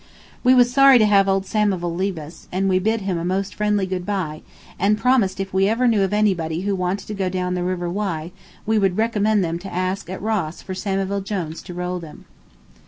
We was sorry to have old Samivel leave us, and we bid him a most friendly good by, and promised if we ever knew of anybody who wanted to go down the River Wye we would recommend them to ask at Ross for Samivel Jones to row them.